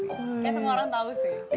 kayak semua orang tau sih